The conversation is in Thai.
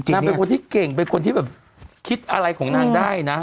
นางเป็นคนที่เก่งเป็นคนที่แบบคิดอะไรของนางได้นะ